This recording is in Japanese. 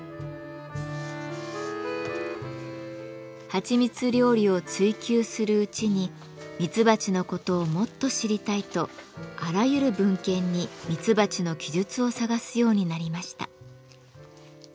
はちみつ料理を追求するうちにミツバチのことをもっと知りたいとあらゆる文献にミツバチの記述を探すようになりました。